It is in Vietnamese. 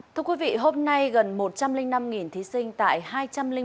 thưa quý vị hôm nay gần một trăm linh năm thí sinh tại hai trăm linh một trường